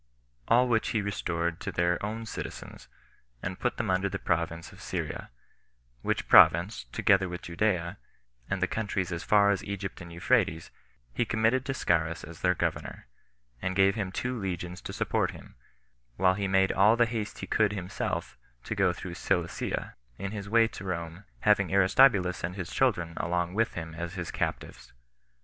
All which he restored to their own citizens, and put them under the province of Syria; which province, together with Judea, and the countries as far as Egypt and Euphrates, he committed to Scaurus as their governor, and gave him two legions to support him; while he made all the haste he could himself to go through Cilicia, in his way to Rome, having Aristobulus and his children along with him as his captives.